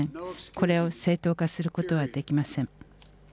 これを正当化することはできません。